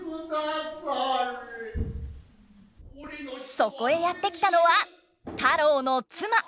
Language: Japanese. そこへやって来たのは太郎の妻。